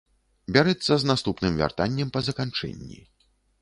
Бярэцца з наступным вяртаннем па заканчэнні.